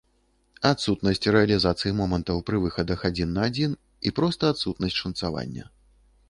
Адсутнасць рэалізацыі момантаў пры выхадах адзін на адзін і проста адсутнасць шанцавання.